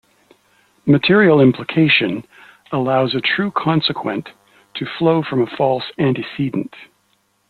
Material implication allows a true consequent to follow from a false antecedent.